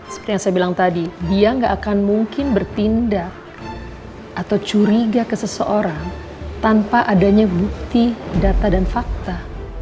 seperti yang saya bilang tadi dia nggak akan mungkin bertindak atau curiga ke seseorang tanpa adanya bukti data dan fakta